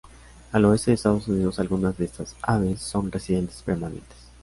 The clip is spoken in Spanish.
Al oeste de Estados Unidos, algunas de estas aves son residentes permanentes.